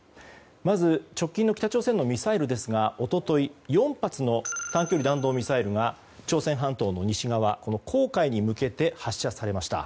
まず、直近の北朝鮮のミサイルですが一昨日４発の短距離弾道ミサイルが朝鮮半島の西側の黄海に向けて発射されました。